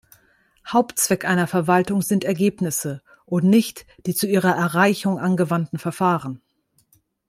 Hauptzweck einer Verwaltung sind Ergebnisse und nicht die zu ihrer Erreichung angewandten Verfahren.